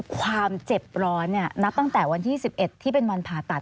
ความเจ็บร้อนนับตั้งแต่วันที่๑๑ที่เป็นวันผ่าตัด